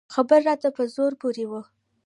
خبر راته په زړه پورې و.